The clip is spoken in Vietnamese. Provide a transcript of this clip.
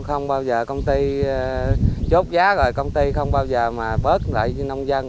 không bao giờ công ty chốt giá rồi công ty không bao giờ mà bớt lại cho nông dân